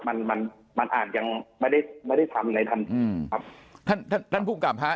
มันมันมันอาจยังไม่ได้ไม่ได้ทำอะไรทันทีครับท่านท่านผู้กลับฮะ